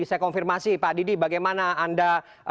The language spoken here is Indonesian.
saya konfirmasi pak didi bagaimana anda